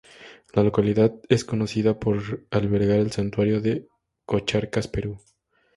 La localidad es conocida por alberga al Santuario de Cocharcas-peru.